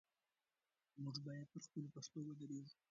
موږ باید پر خپلو پښو ودرېږو.